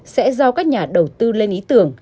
sẽ do các nhà đầu tư lên ý tưởng